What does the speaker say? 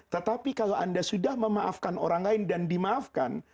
tetapi kalau anda sudah memaafkan orang lain dan dimaafkan